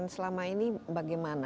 selama ini bagaimana